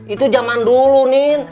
itu zaman dulu nin